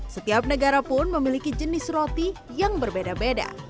setiap negara pun memiliki jenis roti yang berbeda beda